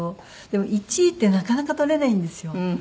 でも１位ってなかなか取れないんですよ。